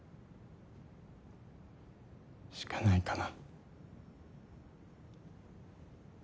しかないかな。